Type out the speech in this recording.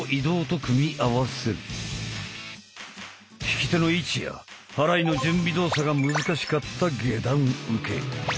引き手の位置や払いの準備動作が難しかった下段受け。